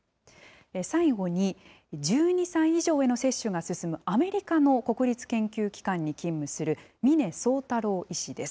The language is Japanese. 最後に、１２歳以上への接種が進むアメリカの国立研究機関に勤務する峰宗太郎医師です。